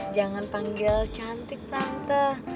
jangan panggil cantik tante